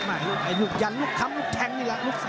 ไอ้ยุคยันลูกคำลูกแทงนี่แหละ